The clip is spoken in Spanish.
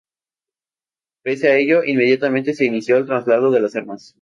Pese a ello, inmediatamente se inició el traspaso de las armas.